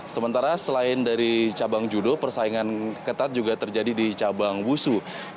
sementara selain dari cabang judo persaingan ketat juga terjadi di cabang wusu